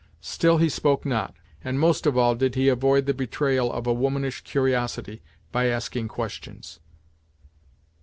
Still he spoke not, and most of all did he avoid the betrayal of a womanish curiosity, by asking questions.